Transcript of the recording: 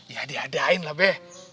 ya diadain lah be